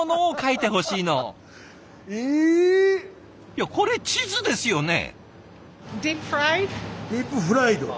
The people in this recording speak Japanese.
いやこれ地図ですよね？